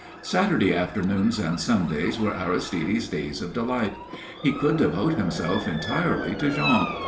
Saturday afternoons and Sundays were Aristide's days of delight. He could devote himself entirely to Jean.